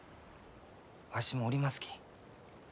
わしもおりますき。